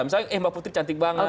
misalnya eh mbak putri cantik banget